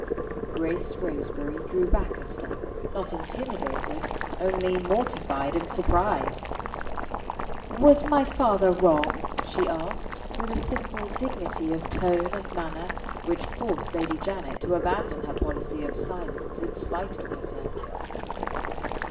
Grace Roseberry drew back a step not intimidated only mortified and surprised. "Was my father wrong?" she asked, with a simple dignity of tone and manner which forced Lady Janet to abandon her policy of silence, in spite of herself.